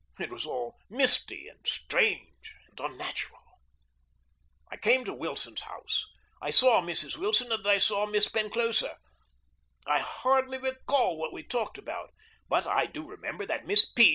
It was all misty and strange and unnatural. I came to Wilson's house; I saw Mrs. Wilson and I saw Miss Penclosa. I hardly recall what we talked about, but I do remember that Miss P.